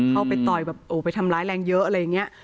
ไปต่อยแบบโอ้ไปทำร้ายแรงเยอะอะไรอย่างนี้